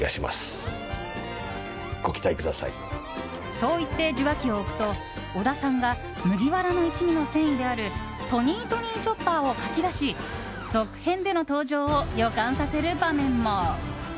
そう言って受話器を置くと尾田さんは麦わらの一味の船医であるトニートニー・チョッパーを描き出し続編での登場を予感させる場面も。